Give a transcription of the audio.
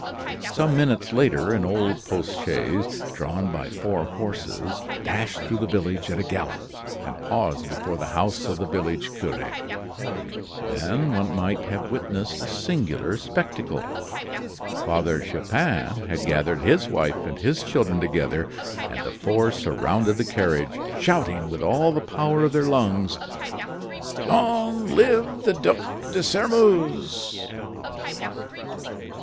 Some minutes later an old post chaise, drawn by four horses, dashed through the village at a gallop, and paused before the house of the village cure. Then one might have witnessed a singular spectacle. Father Chupin had gathered his wife and his children together, and the four surrounded the carriage, shouting, with all the power of their lungs: "Long live the Duc de Sairmeuse!"